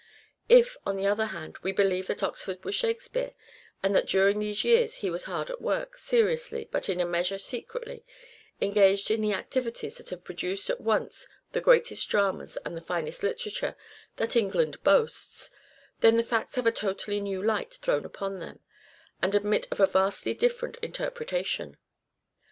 If, on the other hand, we believe that Oxford was Shakespeare, and that during these years he was hard at work, seriously, but in a measure secretly, engaged in the activities that have produced at once the greatest dramas and the finest literature that England boasts, then the facts have a totally new light thrown upon them, and admit of a vastly different interpretation.